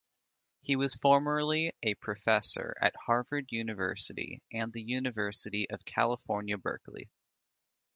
He was formerly a professor at Harvard University and the University of California, Berkeley.